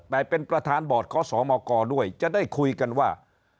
แต่เป็นประธานบอร์ดขอสมกด้วยจะได้คุยกันว่า